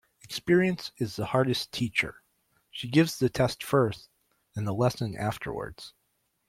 Experience is the hardest teacher. She gives the test first and the lesson afterwards.